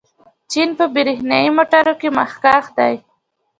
چین په برېښنايي موټرو کې مخکښ دی.